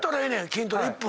筋トレ１分。